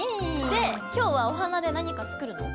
で今日はお花で何か作るの？